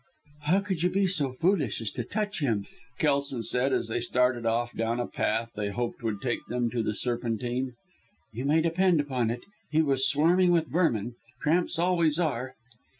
"How could you be so foolish as to touch him," Kelson said, as they started off down a path, they hoped would take them to the Serpentine. "You may depend upon it, he was swarming with vermin tramps always are."